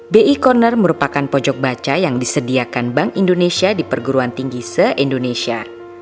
bi corner merupakan pojok baca yang disediakan bank indonesia di perguruan tinggi se indonesia